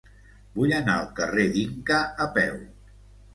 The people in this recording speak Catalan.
Vull anar al carrer d'Inca a peu.